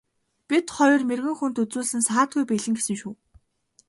Бид хоёр мэргэн хүнд үзүүлсэн саадгүй биелнэ гэсэн шүү.